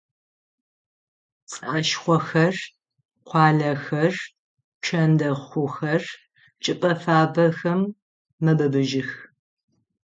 Пцӏашхъохэр, къуалэхэр, пчэндэхъухэр чӏыпӏэ фабэхэм мэбыбыжьых.